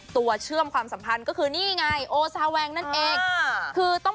ตัวเชื่อมความสัมพันธ์ก็คือโอซาแวงก์